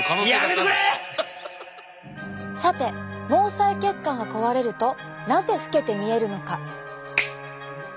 さて毛細血管が壊れるとなぜ老けて見えるのか？